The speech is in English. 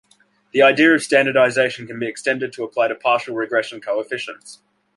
The idea of standardization can be extended to apply to partial regression coefficients.